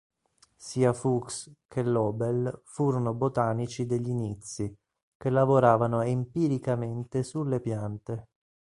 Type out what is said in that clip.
Sia Fuchs che L'Obel furono botanici degli inizi che lavoravano empiricamente sulle piante.